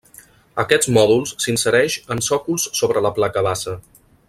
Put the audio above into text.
Aquests mòduls s'insereix en sòcols sobre la placa base.